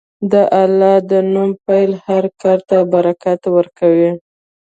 د الله د نوم پیل هر کار ته برکت ورکوي.